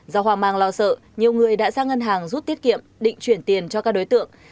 do hoàng mang lo sợ nhiều người đã sang ngân hàng rút tiết kiệm định chuyển tiền cho các đối tượng